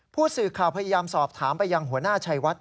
ผู้สื่อข่าวพยายามสอบถามไปยังหัวหน้าชัยวัด